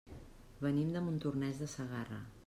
Venim de Montornès de Segarra.